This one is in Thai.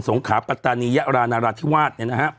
งขาปัตตานียะรานาราธิวาส